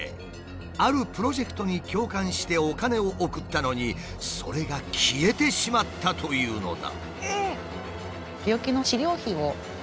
あるプロジェクトに共感してお金を送ったのにそれが消えてしまったというのだ。